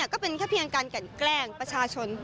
ก็เป็นแค่เพียงการกันแกล้งประชาชน